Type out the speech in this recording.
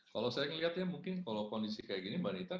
kalau saya ngelihat ya mungkin kalau kondisi kayak gini mbak nita